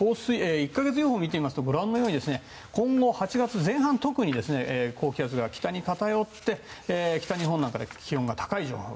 １か月予報を見てみるとご覧のように今後８月前半は高気圧が北日本に偏って北日本なんかで気温が高い状況。